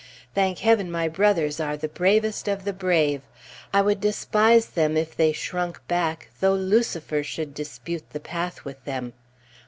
Thank Heaven, my brothers are the bravest of the brave! I would despise them if they shrunk back, though Lucifer should dispute the path with them.